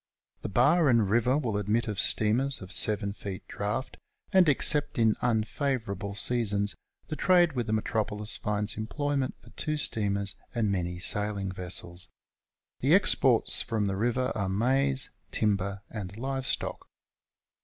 The bar and river will admit of steamers of 7 feet draft, and except in unfavourable seasons, the trade with the metropolis finds em])loyment for two steamers and many sailing vessels. The exports from the river are maize, timber, and live stock.